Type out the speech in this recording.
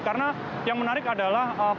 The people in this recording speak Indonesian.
karena yang menarik adalah